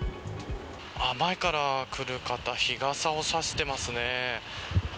前から来る方日傘を差してますね。